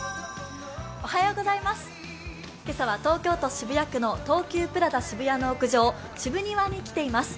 今朝は東京都渋谷区の東急プラザ渋谷の屋上、ＳＨＩＢＵＮＩＷＡに来ています。